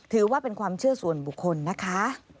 ถือว่าเป็นความเชื่อส่วนบุคคลนะคะ